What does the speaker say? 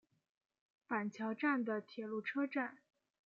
板桥站的铁路车站。